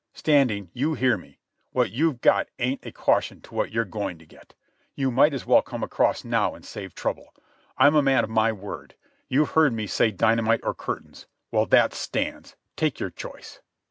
Standing, you hear me. What you've got ain't a caution to what you're going to get. You might as well come across now and save trouble. I'm a man of my word. You've heard me say dynamite or curtains. Well, that stands. Take your choice."